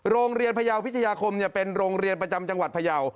โรงเรียนพระเยาวิทยาคมเป็นโรงเรียนประจำจังหวัดพระเยา